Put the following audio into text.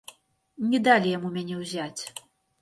Не далі яму мяне ўзяць.